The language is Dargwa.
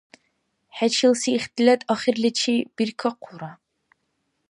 ХӀечилси ихтилат ахирличи биркахъулра.